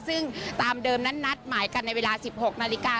ซึ่งตามเดิมนั้นนัดหมายกันในเวลา๑๖นาฬิกา